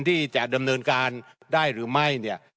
ที่จะดำเนินการได้หรือไม่เนี่ย